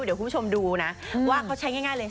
เดี๋ยวคุณผู้ชมดูนะว่าเขาใช้ง่ายเลย